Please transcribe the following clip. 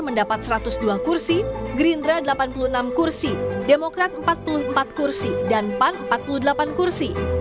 mendapat satu ratus dua kursi gerindra delapan puluh enam kursi demokrat empat puluh empat kursi dan pan empat puluh delapan kursi